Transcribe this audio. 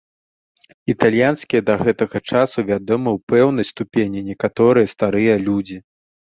Італьянскія да гэтага часу вядомы ў пэўнай ступені некаторыя старыя людзі.